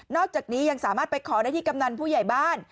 อกจากนี้ยังสามารถไปขอได้ที่กำนันผู้ใหญ่บ้าน